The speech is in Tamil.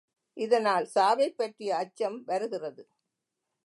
இதனால் சாவைப் பற்றிய அச்சம் வருகிறது.